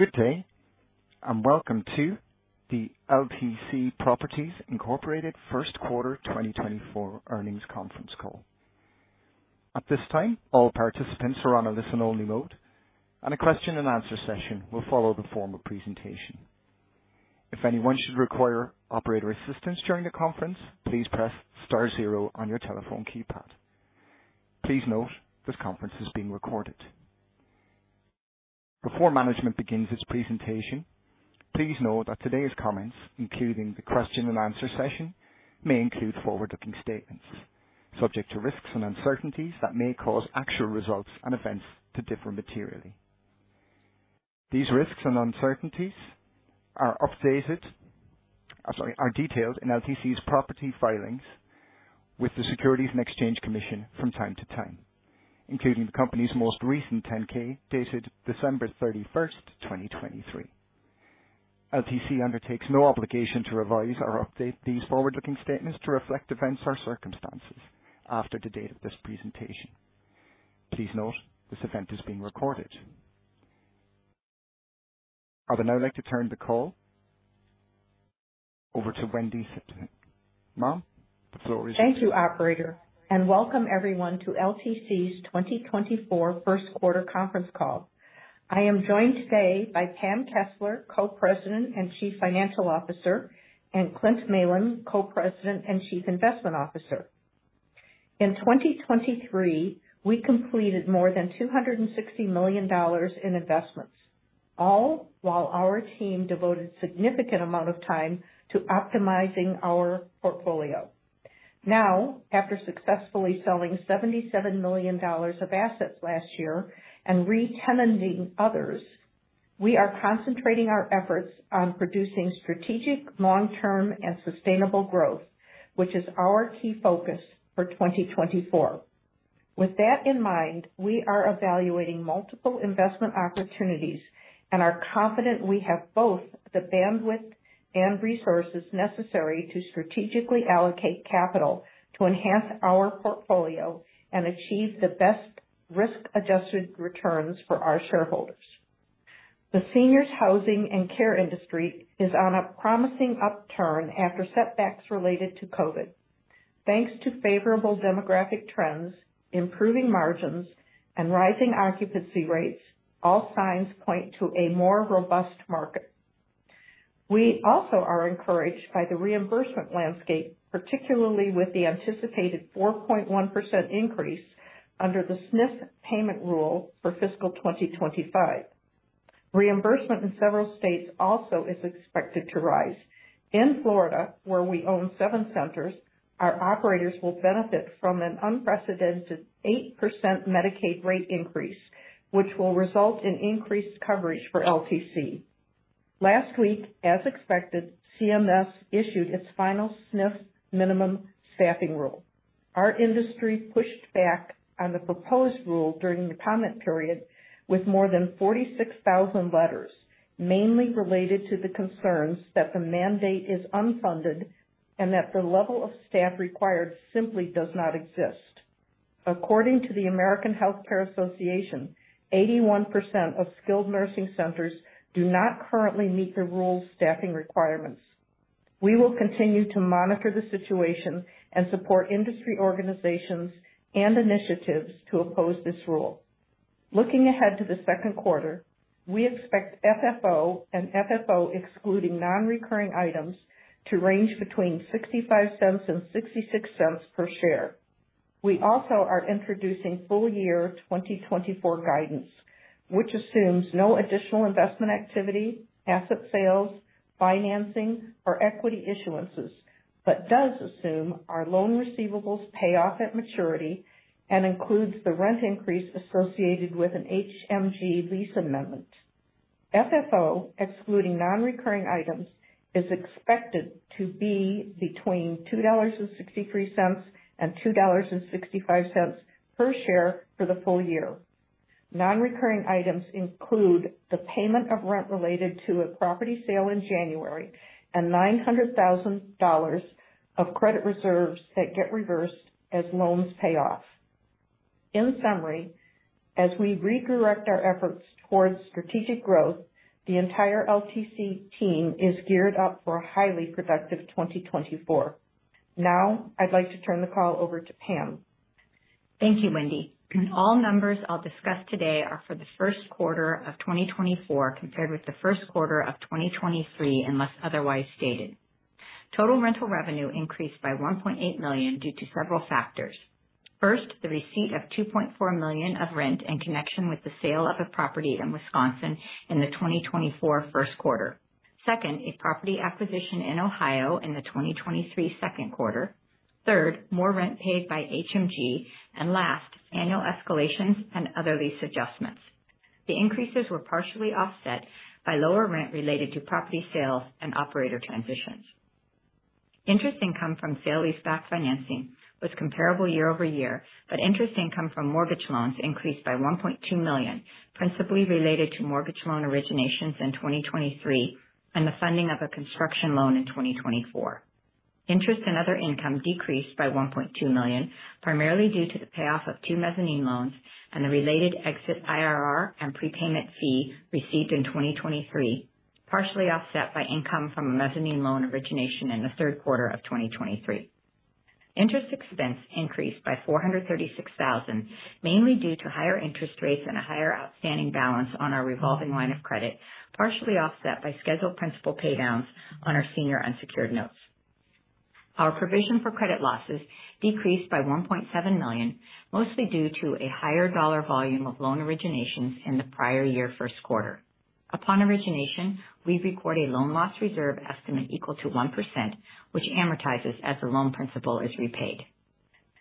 Good day, and welcome to the LTC Properties Incorporated First Quarter 2024 Earnings Conference Call. At this time, all participants are on a listen-only mode, and a question-and-answer session will follow the formal presentation. If anyone should require operator assistance during the conference, please press star zero on your telephone keypad. Please note, this conference is being recorded. Before management begins its presentation, please know that today's comments, including the question and answer session, may include forward-looking statements subject to risks and uncertainties that may cause actual results and events to differ materially. These risks and uncertainties are detailed in LTC's public filings with the Securities and Exchange Commission from time to time, including the company's most recent 10-K, dated December 31, 2023. LTC undertakes no obligation to revise or update these forward-looking statements to reflect events or circumstances after the date of this presentation. Please note, this event is being recorded. I would now like to turn the call over to Wendy Simpson. Ma'am, the floor is yours. Thank you, operator, and welcome everyone to LTC's 2024 first quarter conference call. I am joined today by Pam Kessler, Co-President and Chief Financial Officer, and Clint Malin, Co-President and Chief Investment Officer. In 2023, we completed more than $260 million in investments, all while our team devoted significant amount of time to optimizing our portfolio. Now, after successfully selling $77 million of assets last year and re-tenanting others, we are concentrating our efforts on producing strategic, long-term, and sustainable growth, which is our key focus for 2024. With that in mind, we are evaluating multiple investment opportunities and are confident we have both the bandwidth and resources necessary to strategically allocate capital to enhance our portfolio and achieve the best risk-adjusted returns for our shareholders. The seniors' housing and care industry is on a promising upturn after setbacks related to COVID. Thanks to favorable demographic trends, improving margins, and rising occupancy rates, all signs point to a more robust market. We also are encouraged by the reimbursement landscape, particularly with the anticipated 4.1% increase under the SNF payment rule for fiscal 2025. Reimbursement in several states also is expected to rise. In Florida, where we own seven centers, our operators will benefit from an unprecedented 8% Medicaid rate increase, which will result in increased coverage for LTC. Last week, as expected, CMS issued its final SNF minimum staffing rule. Our industry pushed back on the proposed rule during the comment period, with more than 46,000 letters, mainly related to the concerns that the mandate is unfunded and that the level of staff required simply does not exist. According to the American Health Care Association, 81% of skilled nursing centers do not currently meet the rule's staffing requirements. We will continue to monitor the situation and support industry organizations and initiatives to oppose this rule. Looking ahead to the second quarter, we expect FFO and FFO excluding non-recurring items, to range between $0.65 and $0.66 per share. We also are introducing full year 2024 guidance, which assumes no additional investment activity, asset sales, financing, or equity issuances, but does assume our loan receivables pay off at maturity and includes the rent increase associated with an HMG lease amendment. FFO, excluding non-recurring items, is expected to be between $2.63 and $2.65 per share for the full year. Non-recurring items include the payment of rent related to a property sale in January and $900,000 of credit reserves that get reversed as loans pay off. In summary, as we redirect our efforts towards strategic growth, the entire LTC team is geared up for a highly productive 2024. Now, I'd like to turn the call over to Pam. Thank you, Wendy. All numbers I'll discuss today are for the first quarter of 2024, compared with the first quarter of 2023, unless otherwise stated. Total rental revenue increased by $1.8 million due to several factors. First, the receipt of $2.4 million of rent in connection with the sale of a property in Wisconsin in the 2024 first quarter. Second, a property acquisition in Ohio in the 2023 second quarter. Third, more rent paid by HMG, and last, annual escalations and other lease adjustments. The increases were partially offset by lower rent related to property sales and operator transitions. Interest income from sale-leaseback financing was comparable year-over-year, but interest income from mortgage loans increased by $1.2 million, principally related to mortgage loan originations in 2023 and the funding of a construction loan in 2024. Interest and other income decreased by $1.2 million, primarily due to the payoff of two mezzanine loans and the related exit IRR and prepayment fee received in 2023, partially offset by income from a mezzanine loan origination in the third quarter of 2023. Interest expense increased by $436,000, mainly due to higher interest rates and a higher outstanding balance on our revolving line of credit, partially offset by scheduled principal paydowns on our senior unsecured notes. Our provision for credit losses decreased by $1.7 million, mostly due to a higher dollar volume of loan originations in the prior year first quarter. Upon origination, we record a loan loss reserve estimate equal to 1%, which amortizes as the loan principal is repaid.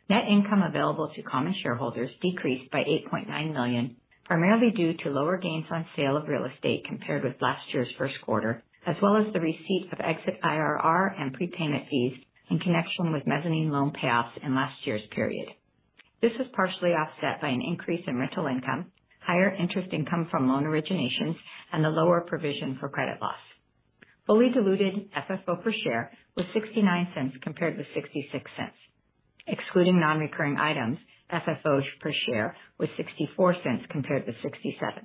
Net income available to common shareholders decreased by $8.9 million, primarily due to lower gains on sale of real estate compared with last year's first quarter, as well as the receipt of exit IRR and prepayment fees in connection with mezzanine loan payoffs in last year's period. This was partially offset by an increase in rental income, higher interest income from loan originations, and a lower provision for credit loss. Fully diluted FFO per share was $0.69 compared with $0.66. Excluding non-recurring items, FFO per share was $0.64 compared with $0.67.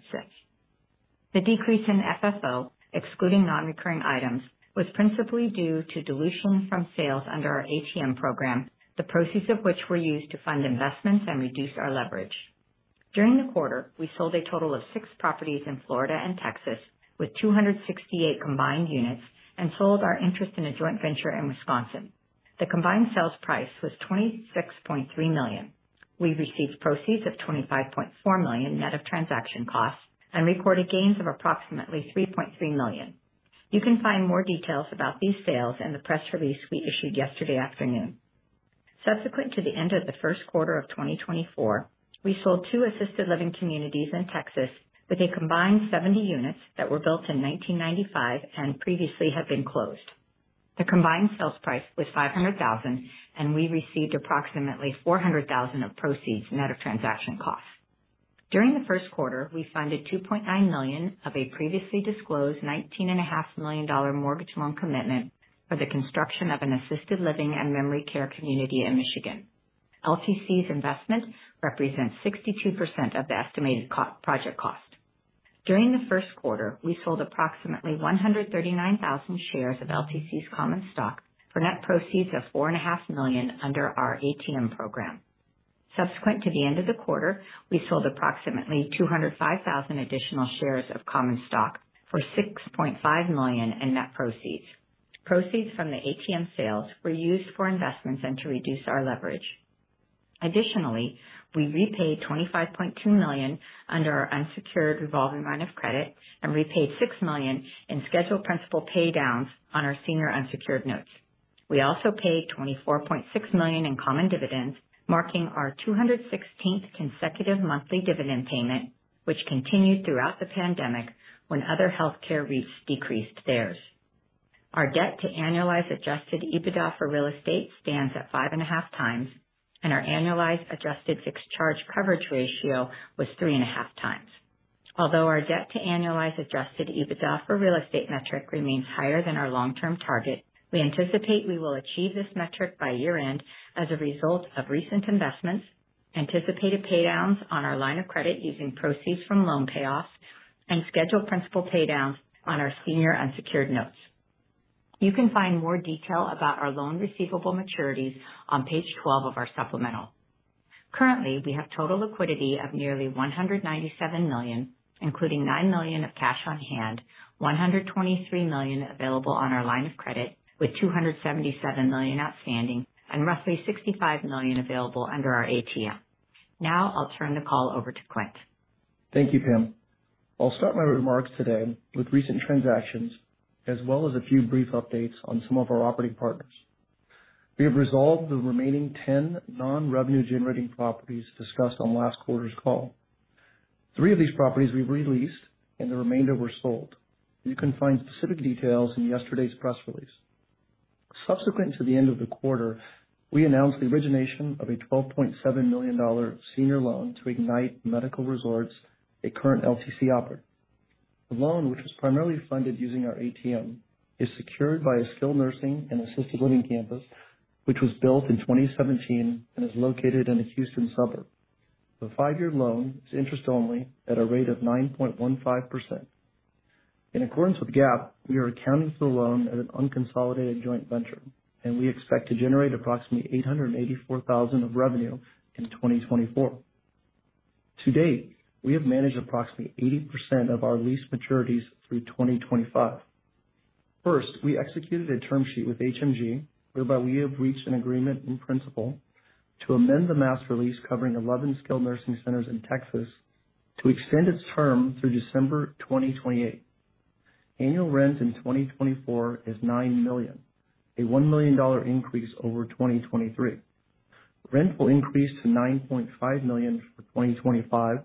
The decrease in FFO, excluding non-recurring items, was principally due to dilution from sales under our ATM program, the proceeds of which were used to fund investments and reduce our leverage. During the quarter, we sold a total of six properties in Florida and Texas, with 268 combined units, and sold our interest in a joint venture in Wisconsin. The combined sales price was $26.3 million. We received proceeds of $25.4 million, net of transaction costs, and reported gains of approximately $3.3 million. You can find more details about these sales in the press release we issued yesterday afternoon. Subsequent to the end of the first quarter of 2024, we sold two assisted living communities in Texas with a combined 70 units that were built in 1995 and previously had been closed. The combined sales price was $500,000, and we received approximately $400,000 of proceeds net of transaction costs. During the first quarter, we funded $2.9 million of a previously disclosed $19.5 million mortgage loan commitment for the construction of an assisted living and memory care community in Michigan. LTC's investment represents 62% of the estimated co-project cost. During the first quarter, we sold approximately 139,000 shares of LTC's common stock for net proceeds of $4.5 million under our ATM program. Subsequent to the end of the quarter, we sold approximately 205,000 additional shares of common stock for $6.5 million in net proceeds. Proceeds from the ATM sales were used for investments and to reduce our leverage. Additionally, we repaid $25.2 million under our unsecured revolving line of credit and repaid $6 million in scheduled principal paydowns on our senior unsecured notes. We also paid $24.6 million in common dividends, marking our 216th consecutive monthly dividend payment, which continued throughout the pandemic when other healthcare REITs decreased theirs. Our debt to annualized adjusted EBITDA for real estate stands at 5.5 times, and our annualized adjusted fixed charge coverage ratio was 3.5 times. Although our debt to annualized adjusted EBITDA for real estate metric remains higher than our long-term target, we anticipate we will achieve this metric by year-end as a result of recent investments, anticipated paydowns on our line of credit using proceeds from loan payoffs and scheduled principal paydowns on our senior unsecured notes. You can find more detail about our loan receivable maturities on page 12 of our supplemental. Currently, we have total liquidity of nearly $197 million, including $9 million of cash on hand, $123 million available on our line of credit, with $277 million outstanding and roughly $65 million available under our ATM. Now I'll turn the call over to Clint. Thank you, Pam. I'll start my remarks today with recent transactions, as well as a few brief updates on some of our operating partners. We have resolved the remaining 10 non-revenue-generating properties discussed on last quarter's call. Three of these properties we've re-leased, and the remainder were sold. You can find specific details in yesterday's press release. Subsequent to the end of the quarter, we announced the origination of a $12.7 million senior loan to Ignite Medical Resorts, a current LTC operator. The loan, which was primarily funded using our ATM, is secured by a skilled nursing and assisted living campus, which was built in 2017 and is located in a Houston suburb. The 5-year loan is interest only at a rate of 9.15%. In accordance with GAAP, we are accounting for the loan at an unconsolidated joint venture, and we expect to generate approximately $884,000 of revenue in 2024. To date, we have managed approximately 80% of our lease maturities through 2025. First, we executed a term sheet with HMG, whereby we have reached an agreement in principle to amend the master lease covering 11 skilled nursing centers in Texas to extend its term through December 2028. Annual rent in 2024 is $9 million, a $1 million increase over 2023. Rent will increase to $9.5 million for 2025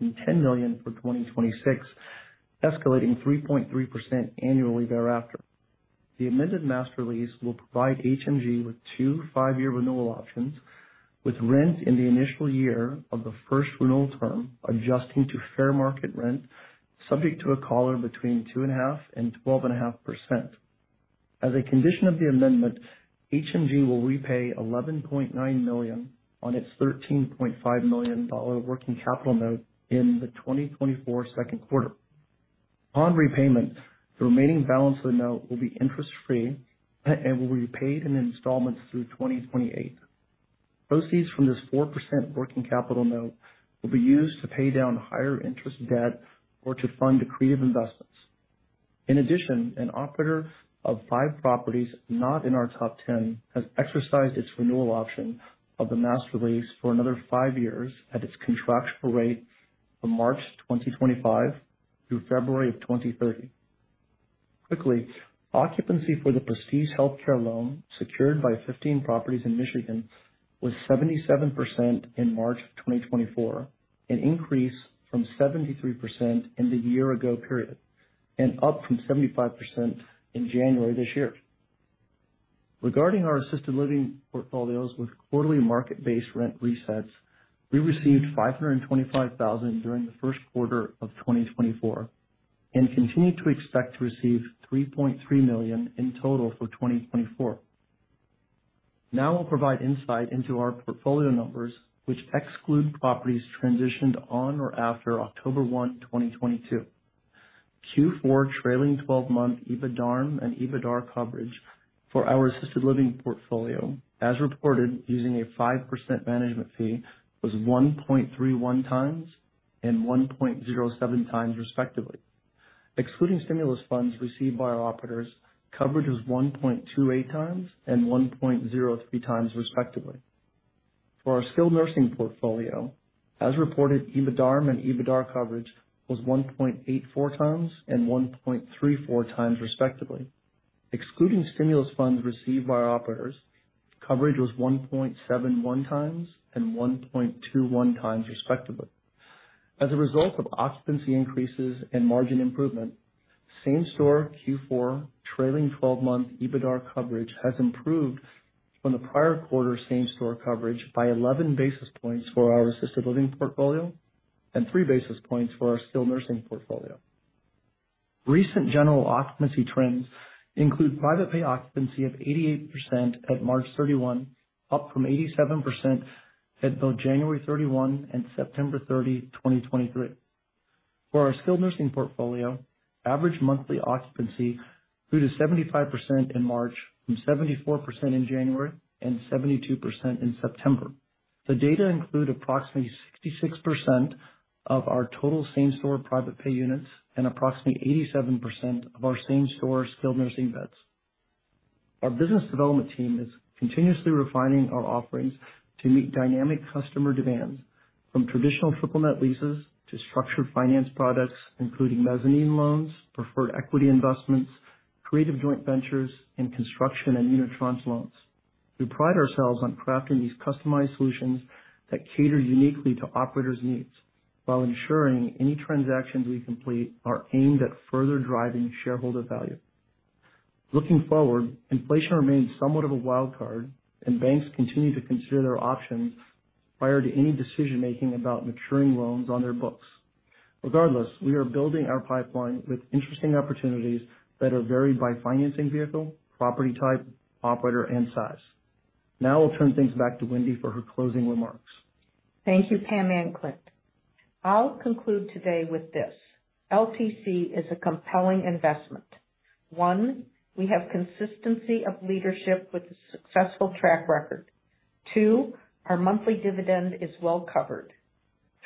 and $10 million for 2026, escalating 3.3% annually thereafter. The amended master lease will provide HMG with two 5-year renewal options, with rent in the initial year of the first renewal term adjusting to fair market rent-... Subject to a collar between 2.5% and 12.5%. As a condition of the amendment, HMG will repay $11.9 million on its $13.5 million working capital note in the 2024 second quarter. On repayment, the remaining balance of the note will be interest-free and will be paid in installments through 2028. Proceeds from this 4% working capital note will be used to pay down higher interest debt or to fund accretive investments. In addition, an operator of five properties, not in our top ten, has exercised its renewal option of the master lease for another five years at its contractual rate from March 2025 through February of 2030. Quickly, occupancy for the Prestige Healthcare loan, secured by 15 properties in Michigan, was 77% in March 2024, an increase from 73% in the year ago period, and up from 75% in January this year. Regarding our assisted living portfolios with quarterly market-based rent resets, we received $525,000 during the first quarter of 2024 and continue to expect to receive $3.3 million in total for 2024. Now we'll provide insight into our portfolio numbers, which exclude properties transitioned on or after October 1, 2022. Q4 trailing twelve-month EBITDARM and EBITDA coverage for our assisted living portfolio, as reported using a 5% management fee, was 1.31x and 1.07x, respectively. Excluding stimulus funds received by our operators, coverage was 1.28x and 1.03x, respectively. For our skilled nursing portfolio, as reported, EBITDARM and EBITDA coverage was 1.84x and 1.34x, respectively. Excluding stimulus funds received by our operators, coverage was 1.71x and 1.21x, respectively. As a result of occupancy increases and margin improvement, same store Q4 trailing twelve-month EBITDA coverage has improved from the prior quarter same-store coverage by 11 basis points for our assisted living portfolio and 3 basis points for our skilled nursing portfolio. Recent general occupancy trends include private pay occupancy of 88% at March 31, up from 87% at both January 31 and September 30, 2023. For our skilled nursing portfolio, average monthly occupancy grew to 75% in March, from 74% in January and 72% in September. The data include approximately 66% of our total same-store private pay units and approximately 87% of our same-store skilled nursing beds. Our business development team is continuously refining our offerings to meet dynamic customer demands, from traditional triple net leases to structured finance products, including mezzanine loans, preferred equity investments, creative joint ventures, and construction and unitranche loans. We pride ourselves on crafting these customized solutions that cater uniquely to operators' needs while ensuring any transactions we complete are aimed at further driving shareholder value. Looking forward, inflation remains somewhat of a wild card, and banks continue to consider their options prior to any decision-making about maturing loans on their books. Regardless, we are building our pipeline with interesting opportunities that are varied by financing vehicle, property type, operator, and size. Now I'll turn things back to Wendy for her closing remarks. Thank you, Pam and Clint. I'll conclude today with this, LTC is a compelling investment. One, we have consistency of leadership with a successful track record. Two, our monthly dividend is well covered.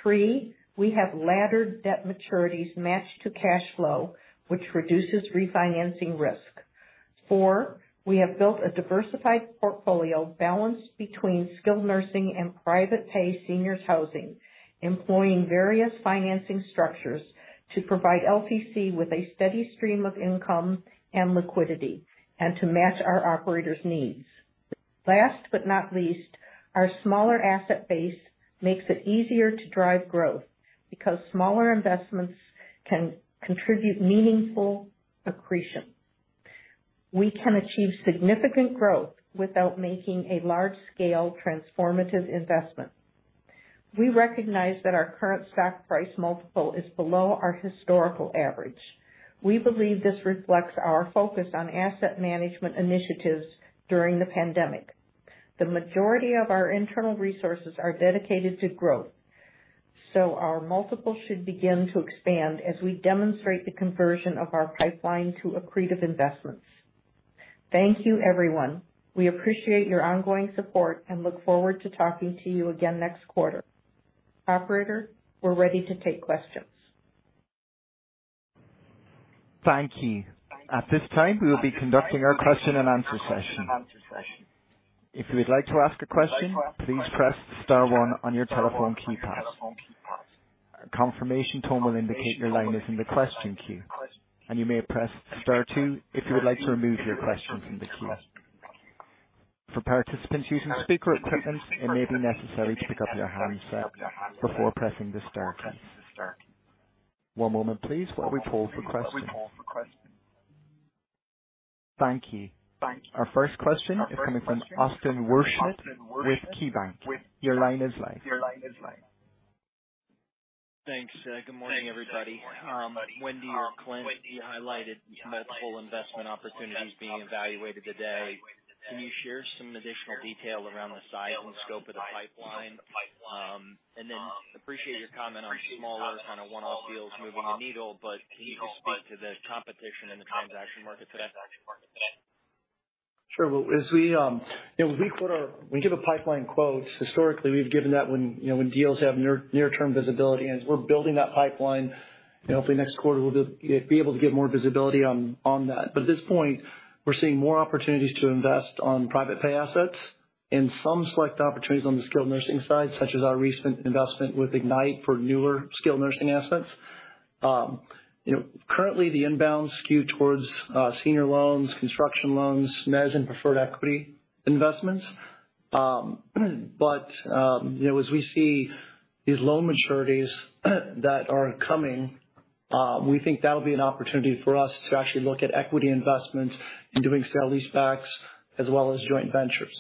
Three, we have laddered debt maturities matched to cash flow, which reduces refinancing risk. Four, we have built a diversified portfolio balanced between skilled nursing and private pay seniors housing, employing various financing structures to provide LTC with a steady stream of income and liquidity, and to match our operators' needs. Last but not least, our smaller asset base makes it easier to drive growth, because smaller investments can contribute meaningful accretion. We recognize that our current stock price multiple is below our historical average. We believe this reflects our focus on asset management initiatives during the pandemic. The majority of our internal resources are dedicated to growth, so our multiple should begin to expand as we demonstrate the conversion of our pipeline to accretive investments. Thank you, everyone. We appreciate your ongoing support and look forward to talking to you again next quarter. Operator, we're ready to take questions. Thank you. At this time, we will be conducting our question and answer session. If you would like to ask a question, please press star one on your telephone keypad. A confirmation tone will indicate your line is in the question queue, and you may press star two if you would like to remove your question from the queue. For participants using speaker equipment, it may be necessary to pick up your handset before pressing the star key. One moment please, while we poll for questions. Thank you. Our first question is coming from Austin Wurschmidt with KeyBanc. Your line is live. Thanks. Good morning, everybody. Wendy or Clint, you highlighted multiple investment opportunities being evaluated today. Can you share some additional detail around the size and scope of the pipeline? And then appreciate your comment on smaller, kind of one-off deals moving the needle, but can you speak to the competition in the transaction market today? Sure. Well, as we, you know, when we give a pipeline quote, historically, we've given that when, you know, when deals have near-term visibility. As we're building that pipeline, you know, hopefully next quarter we'll be able to give more visibility on that. But at this point, we're seeing more opportunities to invest on private pay assets and some select opportunities on the skilled nursing side, such as our recent investment with Ignite for newer skilled nursing assets. You know, currently, the inbounds skew towards senior loans, construction loans, mezz and preferred equity investments. But, you know, as we see these loan maturities that are coming, we think that'll be an opportunity for us to actually look at equity investments in doing sale-leasebacks as well as joint ventures.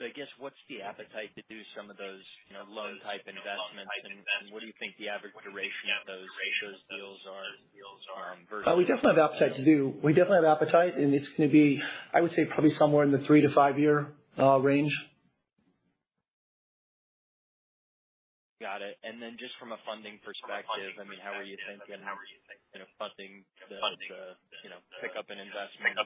So I guess, what's the appetite to do some of those, you know, loan-type investments? And what do you think the average duration of those deals are, versus- We definitely have the appetite to do. We definitely have appetite, and it's gonna be, I would say, probably somewhere in the 3-5 year range. Got it. And then just from a funding perspective, I mean, how are you thinking, you know, funding the, you know, pick up and investment?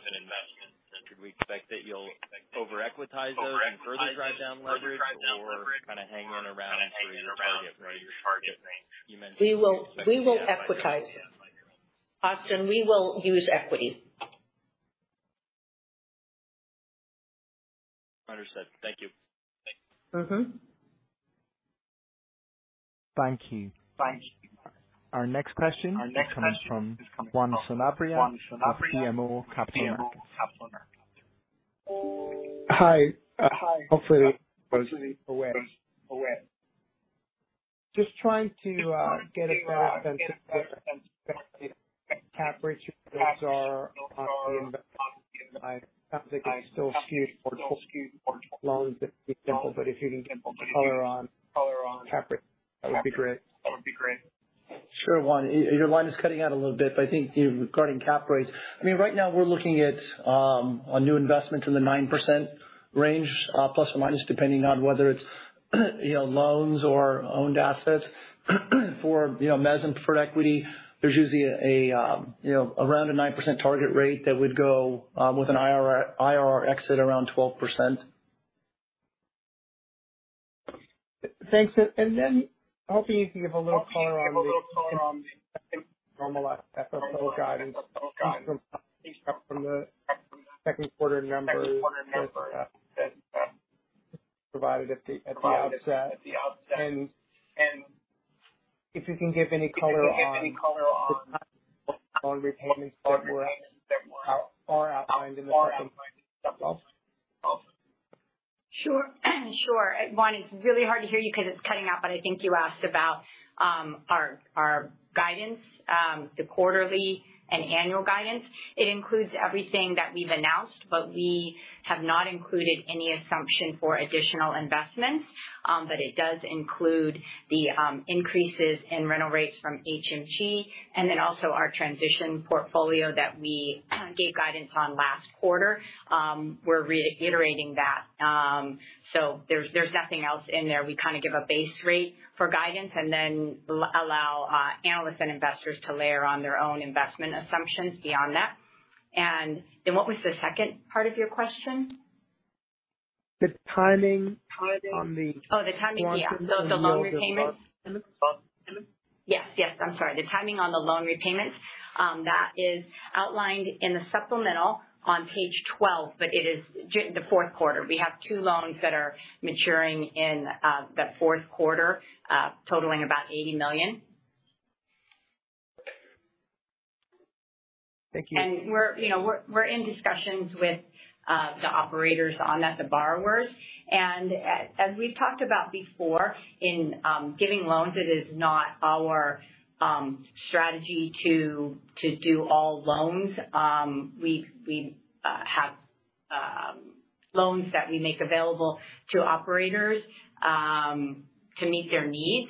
Should we expect that you'll over-equitize those and further drive down leverage or kind of hang on around your target range? You mentioned- We will, we will equitize. Austin, we will use equity. Understood. Thank you. Mm-hmm. Thank you. Our next question comes from Juan Sanabria of BMO Capital Markets. Hi. Hope you are well. Just trying to get a better sense of cap rates are, I think it's still skewed towards loans, but if you can color on cap rate, that would be great. Sure, Juan. Your line is cutting out a little bit, but I think, you know, regarding cap rates, I mean, right now we're looking at a new investment in the 9% range, ±, depending on whether it's, you know, loans or owned assets. For, you know, mezz and preferred equity, there's usually a, you know, around a 9% target rate that would go with an IRR exit around 12%. Thanks. And then hopefully you can give a little color on the normalized FFO guidance from the second quarter numbers that provided at the outset. And if you can give any color on repayments that are outlined in the second FFO. Sure. Sure. Juan, it's really hard to hear you because it's cutting out, but I think you asked about our, our guidance, the quarterly and annual guidance. It includes everything that we've announced, but we have not included any assumption for additional investments. But it does include the increases in rental rates from HMG and then also our transition portfolio that we gave guidance on last quarter. We're reiterating that. So there's, there's nothing else in there. We kind of give a base rate for guidance and then allow analysts and investors to layer on their own investment assumptions beyond that. And then what was the second part of your question? The timing on the- Oh, the timing. Yeah. So the loan repayments? Yes. Yes, yes. I'm sorry. The timing on the loan repayments. That is outlined in the supplemental on page 12, but it is the fourth quarter. We have two loans that are maturing in the fourth quarter, totaling about $80 million. Thank you. We're, you know, in discussions with the operators on that, the borrowers. As we've talked about before, in giving loans, it is not our strategy to do all loans. We have loans that we make available to operators to meet their needs,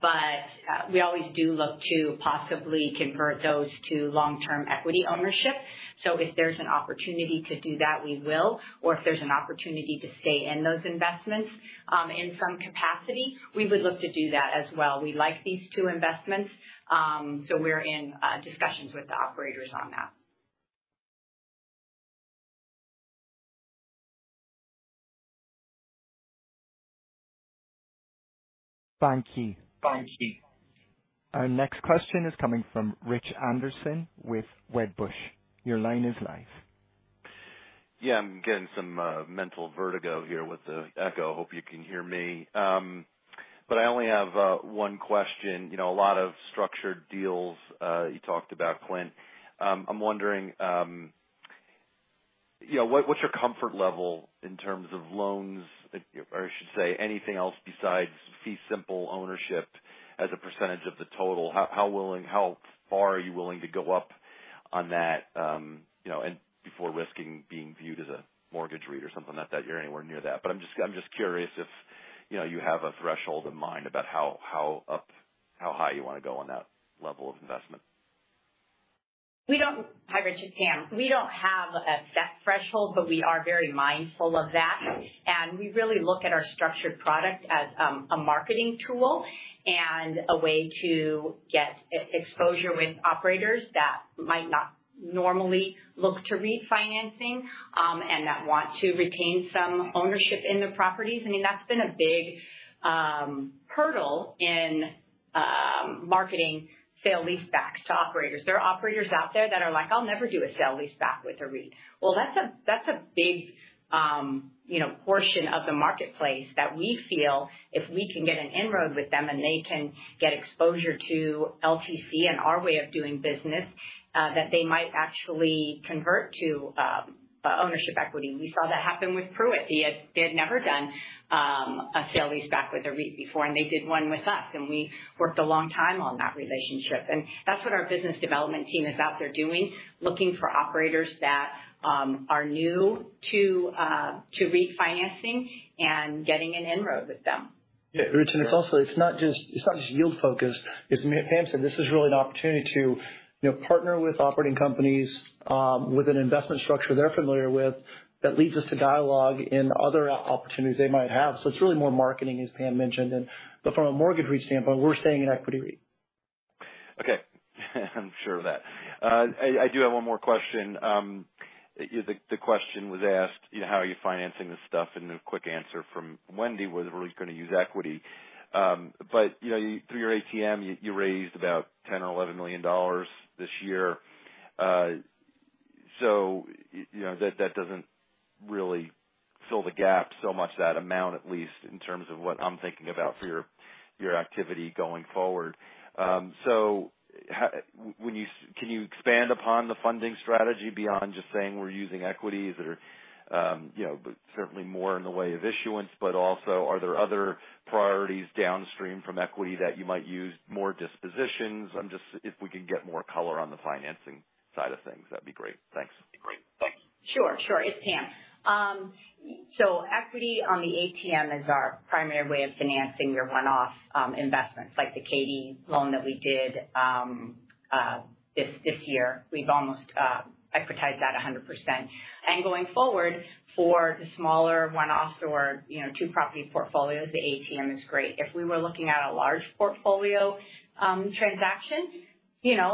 but we always do look to possibly convert those to long-term equity ownership. So if there's an opportunity to do that, we will, or if there's an opportunity to stay in those investments, in some capacity, we would look to do that as well. We like these two investments, so we're in discussions with the operators on that. Thank you. Our next question is coming from Rich Anderson with Wedbush. Your line is live. Yeah, I'm getting some mental vertigo here with the echo. Hope you can hear me. But I only have one question. You know, a lot of structured deals you talked about, Clint. I'm wondering, ....Yeah, what's your comfort level in terms of loans, or I should say, anything else besides fee simple ownership as a percentage of the total? How willing, how far are you willing to go up on that, you know, and before risking being viewed as a mortgage REIT or something like that? You're anywhere near that. But I'm just curious if, you know, you have a threshold in mind about how high you wanna go on that level of investment. We don't—hi, Richard, Pam. We don't have a set threshold, but we are very mindful of that. And we really look at our structured product as a marketing tool and a way to get equity exposure with operators that might not normally look to refinancing and that want to retain some ownership in the properties. I mean, that's been a big hurdle in marketing sale-leasebacks to operators. There are operators out there that are like: "I'll never do a sale-leaseback with a REIT." Well, that's a big you know portion of the marketplace that we feel if we can get an inroad with them, and they can get exposure to LTC and our way of doing business that they might actually convert to ownership equity. We saw that happen with PruittHealth. They had never done a sale-leaseback with a REIT before, and they did one with us, and we worked a long time on that relationship. And that's what our business development team is out there doing, looking for operators that are new to refinancing and getting an inroad with them. Yeah, and it's also... It's not just, it's not just yield focused. As Pam said, this is really an opportunity to, you know, partner with operating companies with an investment structure they're familiar with that leads us to dialogue in other opportunities they might have. So it's really more marketing, as Pam mentioned, and but from a mortgage REIT standpoint, we're staying an equity REIT. Okay, I'm sure of that. I do have one more question. The question was asked, you know, how are you financing this stuff? And the quick answer from Wendy was, we're going to use equity. But, you know, through your ATM, you raised about $10 million-$11 million this year. So, you know, that doesn't really fill the gap so much, that amount, at least in terms of what I'm thinking about for your activity going forward. Can you expand upon the funding strategy beyond just saying we're using equities or, you know, but certainly more in the way of issuance, but also, are there other priorities downstream from equity that you might use more dispositions? Just if we can get more color on the financing side of things, that'd be great. Thanks. Great. Thanks. Sure, sure. It's Pam. Equity on the ATM is our primary way of financing your one-off investments, like the Katy loan that we did this year. We've almost equitized that 100%. Going forward for the smaller one-off or, you know, two-property portfolios, the ATM is great. If we were looking at a large portfolio transaction, you know,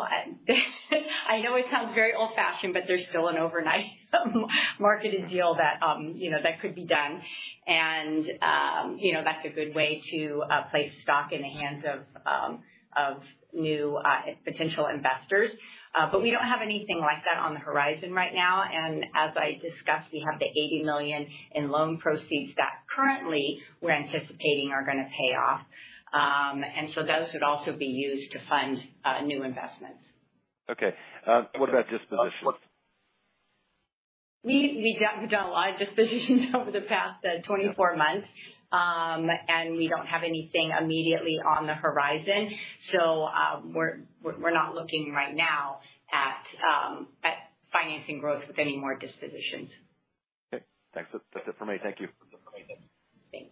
I know it sounds very old-fashioned, but there's still an overnight marketed deal that, you know, that could be done. You know, that's a good way to place stock in the hands of new potential investors. We don't have anything like that on the horizon right now. As I discussed, we have the $80 million in loan proceeds that currently we're anticipating are going to pay off. And so those would also be used to fund new investments. Okay. What about dispositions? We've done a lot of dispositions over the past 24 months, and we don't have anything immediately on the horizon. So, we're not looking right now at financing growth with any more dispositions. Okay. Thanks. That's it for me. Thank you. Thank you.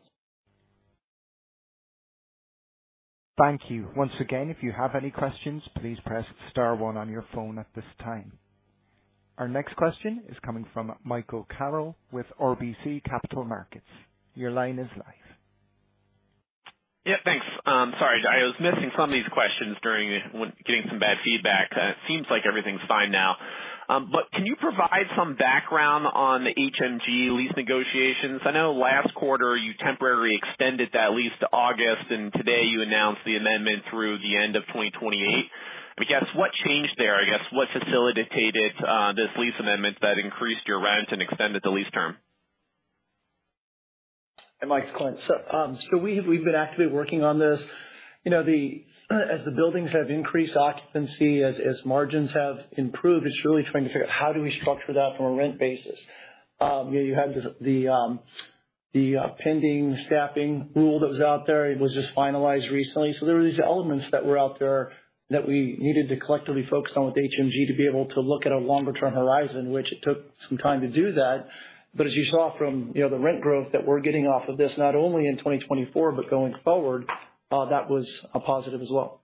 Thank you. Once again, if you have any questions, please press star one on your phone at this time. Our next question is coming from Michael Carroll with RBC Capital Markets. Your line is live. Yeah, thanks. Sorry, I was missing some of these questions during getting some bad feedback. It seems like everything's fine now. But can you provide some background on the HMG lease negotiations? I know last quarter you temporarily extended that lease to August, and today you announced the amendment through the end of 2028. I guess, what changed there, I guess, what facilitated this lease amendment that increased your rent and extended the lease term? Hey, Mike, Clint. So, so we, we've been actively working on this. You know, the, as the buildings have increased occupancy, as, as margins have improved, it's really trying to figure out how do we structure that from a rent basis. You know, you had this, the, the, pending staffing rule that was out there. It was just finalized recently. So there were these elements that were out there that we needed to collectively focus on with HMG to be able to look at a longer-term horizon, which it took some time to do that. But as you saw from, you know, the rent growth that we're getting off of this, not only in 2024, but going forward, that was a positive as well.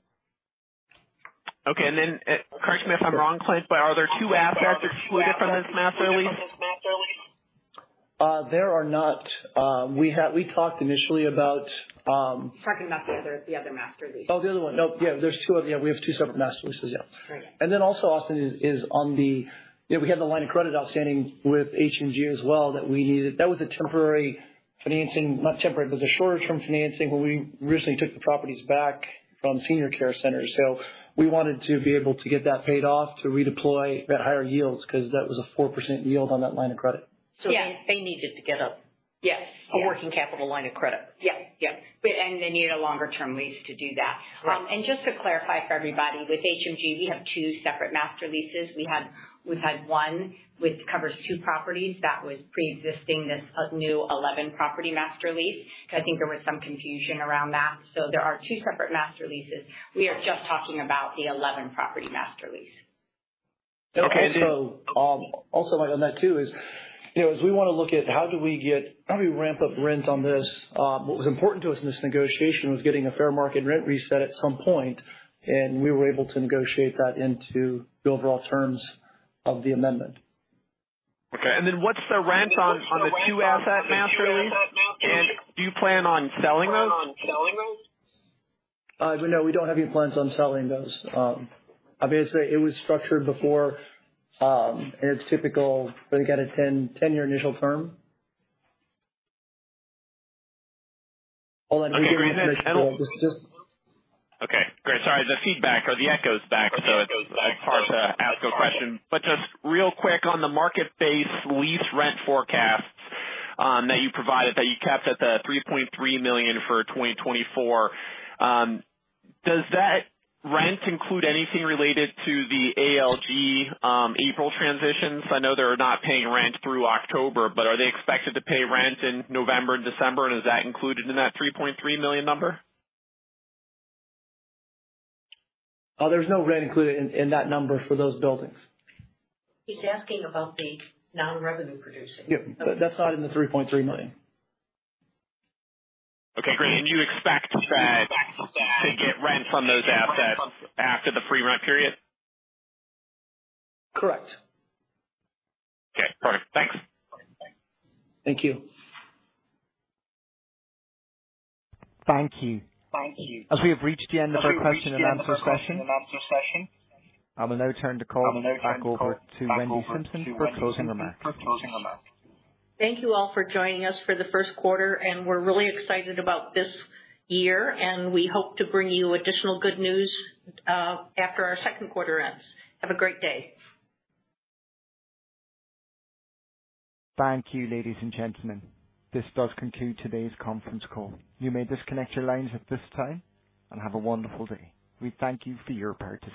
Okay. And then, correct me if I'm wrong, Clint, but are there two assets excluded from this master lease? There are not. We talked initially about, Talking about the other master lease. Oh, the other one? Nope. Yeah, there's two of them. Yeah, we have two separate master leases. Yeah. Right. And then also, Austin, is on the... Yeah, we have the line of credit outstanding with HMG as well, that we needed. That was a temporary financing, not temporary, but the shorter-term financing, where we recently took the properties back from Senior Care Centers. So we wanted to be able to get that paid off to redeploy at higher yields, 'cause that was a 4% yield on that line of credit.... So they needed to get a- Yes. - a working capital line of credit? Yeah. Yeah, but they need a longer-term lease to do that. Right. And just to clarify for everybody, with HMG, we have two separate master leases. We've had one, which covers two properties that was preexisting, this new 11-property master lease. Because I think there was some confusion around that. So there are two separate master leases. We are just talking about the 11-property master lease. Okay. So, also on that, too, is, you know, as we want to look at how do we ramp up rent on this? What was important to us in this negotiation was getting a fair market rent reset at some point, and we were able to negotiate that into the overall terms of the amendment. Okay. And then what's the rent on, on the 2-asset master lease, and do you plan on selling those? No, we don't have any plans on selling those. Obviously, it was structured before, and it's typical, but it got a 10-year initial term. Okay, great. Sorry, the feedback or the echo's back, so it's hard to ask a question. But just real quick on the market-based lease rent forecasts, that you provided, that you kept at the $3.3 million for 2024. Does that rent include anything related to the ALG April transitions? I know they're not paying rent through October, but are they expected to pay rent in November and December, and is that included in that $3.3 million number? There's no rent included in that number for those buildings. He's asking about the non-revenue producing. Yeah, that's not in the $3.3 million. Okay, great. And you expect to, to get rent from those assets after the free rent period? Correct. Okay, perfect. Thanks. Thank you. Thank you. As we have reached the end of our question and answer session, I will now turn the call back over to Wendy Simpson for closing remarks. Thank you all for joining us for the first quarter, and we're really excited about this year, and we hope to bring you additional good news after our second quarter ends. Have a great day. Thank you, ladies and gentlemen. This does conclude today's conference call. You may disconnect your lines at this time and have a wonderful day. We thank you for your participation.